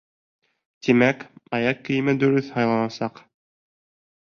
Тимәк, аяҡ кейеме дөрөҫ һайланасаҡ.